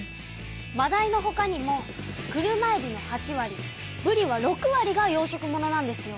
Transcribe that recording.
まだいのほかにも車えびの８割ぶりは６割が養殖ものなんですよ。